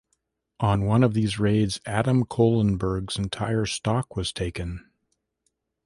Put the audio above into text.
On one of these raids, Adam Kohlenburg's entire stock was taken.